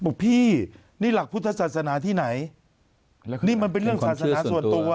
พี่นี่หลักพุทธศาสนาที่ไหนนี่มันเป็นเรื่องศาสนาส่วนตัว